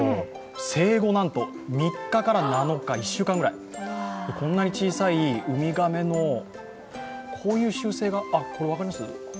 生後３日から７日、１週間くらいこんなに小さいウミガメの、こういう習性、分かります？